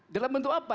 dalam bentuk apa